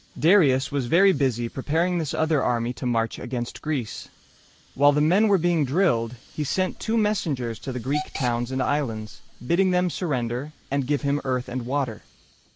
Darius was very busy preparing this other army to march against Greece. While the men were being drilled, he sent two messengers to the Greek towns and islands, bidding them surrender and give him earth and water.